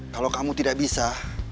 kalau kamu tidak bisa